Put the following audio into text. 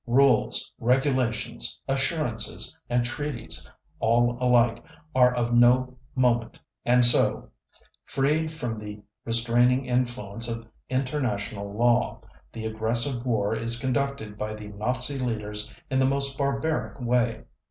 Rules, regulations, assurances, and treaties all alike are of no moment; and so, freed from the restraining influence of international law, the aggressive war is conducted by the Nazi leaders in the most barbaric way.